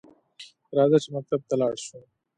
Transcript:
راځه چې مکتب ته لاړشوو؟